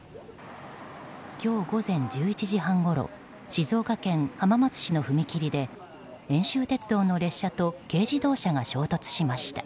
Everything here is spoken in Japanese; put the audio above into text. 今日午前１１時半ごろ静岡県浜松市の踏切で遠州鉄道の列車と軽自動車が衝突しました。